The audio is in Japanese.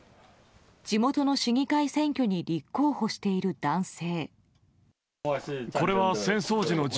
地元の市議会選挙に立候補している男性。